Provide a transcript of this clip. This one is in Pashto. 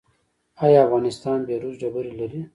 آیا افغانستان بیروج ډبرې لري؟